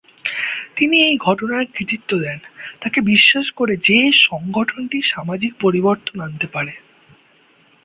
তিনি এই ঘটনার কৃতিত্ব দেন তাকে বিশ্বাস করে যে সংগঠনটি সামাজিক পরিবর্তন আনতে পারে।